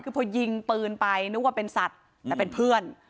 คือพอยิงปืนไปนึกว่าเป็นสัตว์แต่เป็นเพื่อน